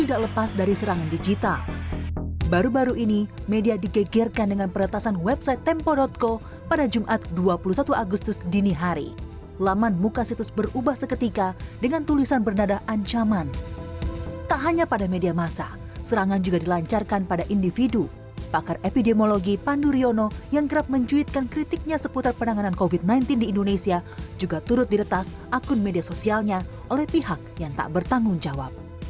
akun media sosialnya oleh pihak yang tak bertanggung jawab